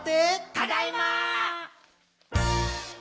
ただいま！